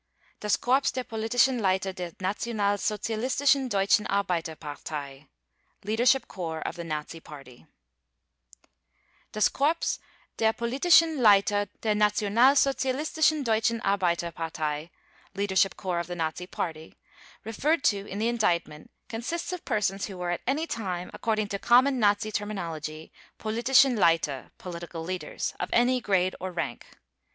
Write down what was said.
DAS KORPS DER POLITISCHEN LEITER DER NATIONALSOZIALISTISCHEN DEUTSCHEN ARBEITERPARTEI (LEADERSHIP CORPS OF THE NAZI PARTY) "Das Korps der Politischen Leiter der Nationalsozialistischen Deutschen Arbeiterpartei (Leadership Corps of the Nazi Party)" referred to in the Indictment consists of persons who were at any time, according to common Nazi terminology, "Politischen Leiter" (Political Leaders) of any grade or rank.